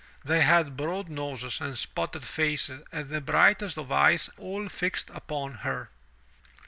They had broad noses and spotted faces and the brightest of eyes all fixed upon her.